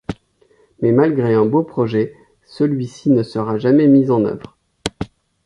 Mais malgré un beau projet, celui-ci ne sera jamais mis en œuvre.